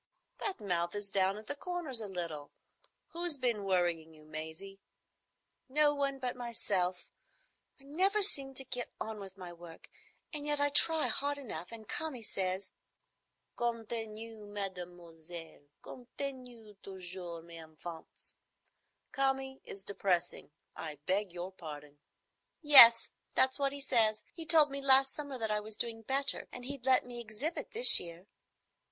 "That mouth is down at the corners a little. Who's been worrying you, Maisie?" "No one but myself. I never seem to get on with my work, and yet I try hard enough, and Kami says——" "'Continuez, mesdemoiselles. Continuez toujours, mes enfants.' Kami is depressing. I beg your pardon." "Yes, that's what he says. He told me last summer that I was doing better and he'd let me exhibit this year."